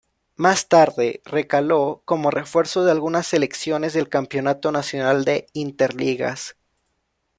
Más tarde, recaló como refuerzo de algunas selecciones del Campeonato Nacional de Interligas.